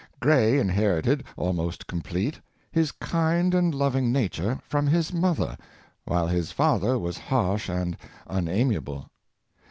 107 Goethe. Gray inherited, almost complete, his kind and loving nature from his mother, while his father was harsh and unamiable.